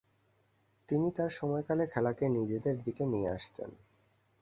তিনি তার সময়কালে খেলাকে নিজেদের দিকে নিয়ে আসতেন।